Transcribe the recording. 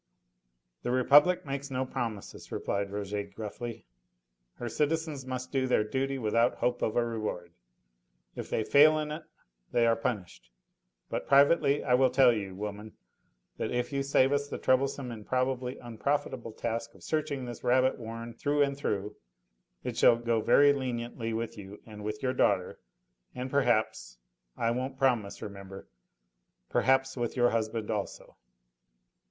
"The Republic makes no promises," replied Rouget gruffly. "Her citizens must do their duty without hope of a reward. If they fail in it, they are punished. But privately I will tell you, woman, that if you save us the troublesome and probably unprofitable task of searching this rabbit warren through and through, it shall go very leniently with you and with your daughter, and perhaps I won't promise, remember perhaps with your husband also."